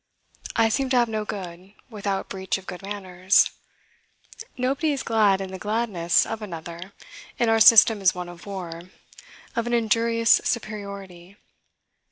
I seem to have no good, without breach of good manners. Nobody is glad in the gladness of another, and our system is one of war, of an injurious superiority.